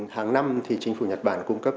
tháng năm thì chính phủ nhật bản cung cấp